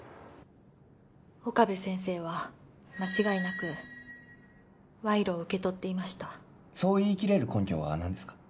岡部先生は間違いなく賄賂を受け取っていましたそう言いきれる根拠は何ですか？